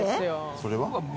それは？